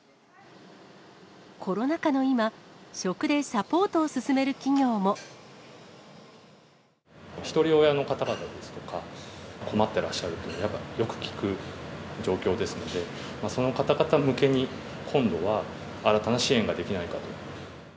コロナ禍の今、一人親の方々ですとか、困ってらっしゃるというのを、よく聞く状況ですので、その方々向けに今度は新たな支援ができないかと。